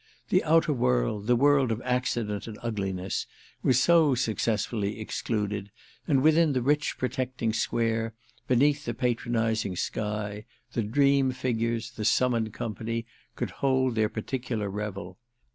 The outer world, the world of accident and ugliness, was so successfully excluded, and within the rich protecting square, beneath the patronising sky, the dream figures, the summoned company, could hold their particular revel.